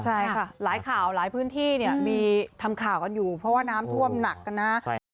ใช่ค่ะหลายข่าวหลายพื้นที่เนี่ยมีทำข่าวกันอยู่เพราะว่าน้ำท่วมหนักกันนะ